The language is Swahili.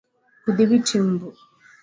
Kudhibiti mbu